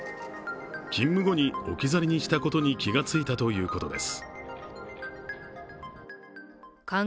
勤務後に置き去りにしたことに気がついたということです。